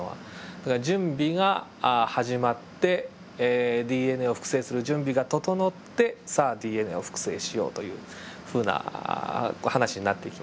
だから準備が始まってＤＮＡを複製する準備が整ってさあＤＮＡを複製しようというふうな話になってきますので。